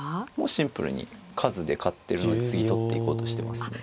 シンプルに数で勝ってるので次取っていこうとしてますね。